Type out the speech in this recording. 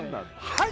はい！